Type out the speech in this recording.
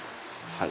はい。